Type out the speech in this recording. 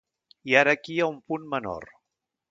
I ara aquí hi ha un punt menor.